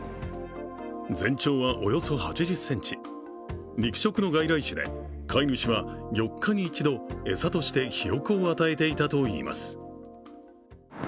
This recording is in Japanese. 全長はおよそ８０ｃｍ、肉食の外来種で飼い主は４日に１度餌としてひよこを与えていたといいます。